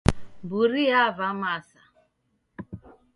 Mburi yava masa.